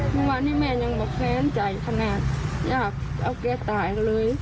ทุกวันนี้แม่ยังบอกแค้นใจขนาดอยากเอาแก้ตายกันเลย